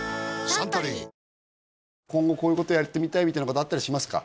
今後こういうことやってみたいみたいなことあったりしますか？